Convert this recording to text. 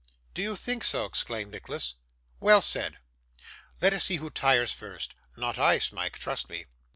'Do you think so?' exclaimed Nicholas. 'Well said. Let us see who tires first. Not I, Smike, trust me.